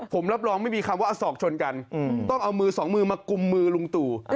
ผมรับรองไม่มีคำว่าอศอกชนกันต้องเอามือสองมือมากุมมือลุงตู่